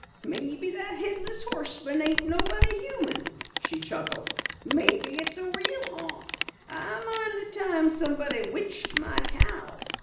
"Maybe that Headless Horseman ain't nobody human," she chuckled. "Maybe it's a real haunt. I mind the time somebody witched my cow.